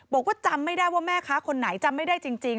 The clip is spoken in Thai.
บอกว่าจำไม่ได้ว่าแม่ค้าคนไหนจำไม่ได้จริง